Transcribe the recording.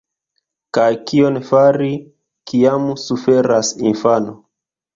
Kaj kion fari, kiam suferas infano?